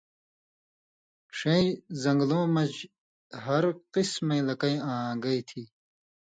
ݜَیں زن٘گلؤں مژ ہر قسمَیں لکئ آں گئ تھی۔